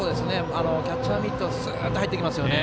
キャッチャーミットにスッと入ってきますよね。